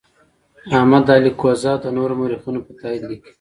احمد علي کهزاد د نورو مورخینو په تایید لیکي.